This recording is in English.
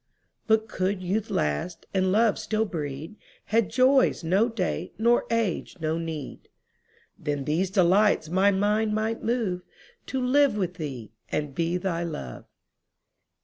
But could youth last, and love still breed, Had joys no date, nor age no need, Then these delights my mind might moveTo live with thee and be thy Love.